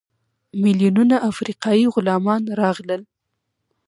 میلیونونه افریقایي غلامان راغلل.